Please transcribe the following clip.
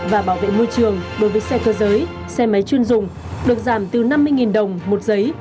và bảo vệ môi trường đối với xe cơ giới xe máy chuyên dùng được giảm từ năm mươi đồng một giấy